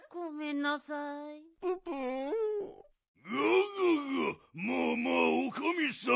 ガガガまあまあおかみさん。